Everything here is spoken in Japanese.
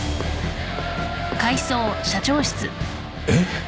えっ？